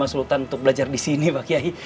mau nerima sultan untuk belajar disini pak kiai